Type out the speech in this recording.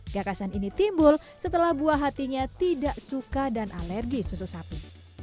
gagasan ini timbul setelah buah hatinya tidak suka dan alergi susu sapi